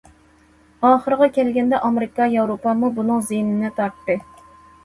ئاخىرىغا كەلگەندە ئامېرىكا، ياۋروپامۇ بۇنىڭ زىيىنىنى تارتتى.